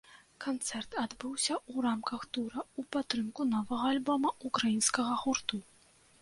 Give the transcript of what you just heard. Канцэрт адбыўся ў рамках тура ў падтрымку новага альбома ўкраінскага гурту.